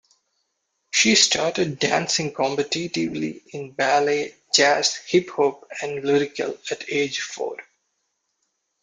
She started dancing competitively in ballet, jazz, hip hop, and lyrical at age four.